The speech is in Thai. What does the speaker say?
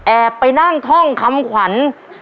ไปนั่งท่องคำขวัญ